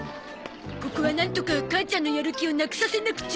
ここはなんとか母ちゃんのやる気をなくさせなくちゃ！